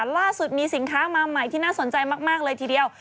ล่าสุดมีสินค้ามาใหม่ที่น่าสนใจมากเลยทีเดียว